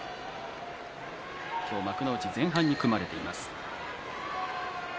今日、幕内前半に組まれています。